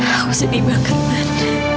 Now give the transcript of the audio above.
aku sedih banget man